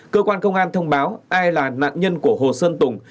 cơ quan công an thông báo ai là nạn nhân của hồ sơn tùng